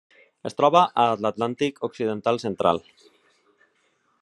Es troba a l'Atlàntic occidental central: